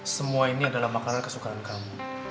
semua ini adalah makanan kesukaan kamu